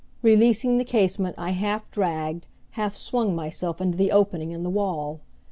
Releasing the casement I half dragged, half swung myself into the opening in the wall.